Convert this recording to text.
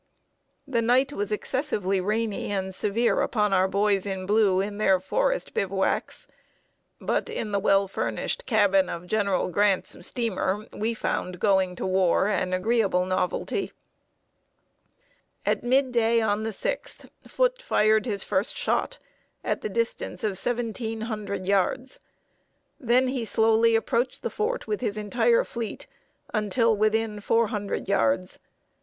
The night was excessively rainy and severe upon our boys in blue in their forest bivouacs; but in the well furnished cabin of General Grant's steamer, we found "going to war" an agreeable novelty. [Sidenote: ITS CAPTURE BY COMMODORE FOOTE.] At mid day on the 6th, Foote fired his first shot, at the distance of seventeen hundred yards. Then he slowly approached the fort with his entire fleet, until within four hundred yards.